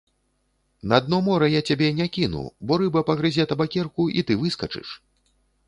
На дно мора я цябе не кіну, бо рыба пагрызе табакерку, і ты выскачыш.